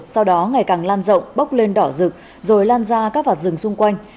sau đó ngày càng lan rộng bốc lên đỏ rực rồi lan ra các vạt rừng xung quanh